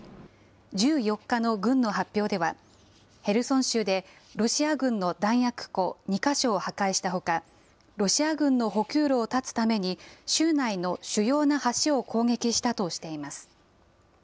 １４日の軍の発表では、ヘルソン州でロシア軍の弾薬庫２か所を破壊したほか、ロシア軍の補給路を断つために、州内の主要な橋を攻撃したとしています。